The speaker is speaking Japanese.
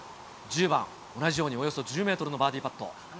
１０番、同じようにおよそ１０メートルのバーディーパット。